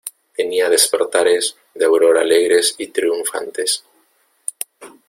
tenía despertares de aurora alegres y triunfantes.